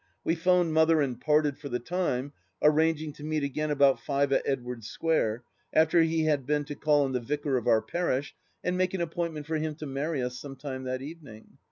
We 'phoned Mother and parted, for the time, arranging to meet again about five at Edwardes Square, after he had been to call on the Vicar of our parish and make an appointment for him to marry us some time that evening.